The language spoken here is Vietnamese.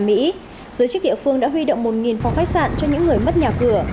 giới chức địa phương đã huy động một phòng khách sạn cho những người mất nhà cửa